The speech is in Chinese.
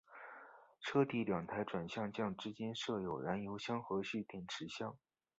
车底两台转向架之间设有燃油箱和蓄电池箱。